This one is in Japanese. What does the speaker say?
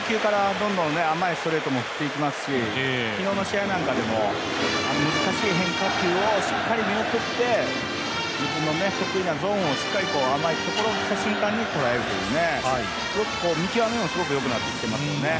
本当に初球からどんどん甘いストレートも打っていきますし昨日の試合なんかでも、難しい変化球をしっかり見送って、自分の得意なゾーンを、しっかり甘いところに来た瞬間にとらえるという、見極めもすごいいいですよね。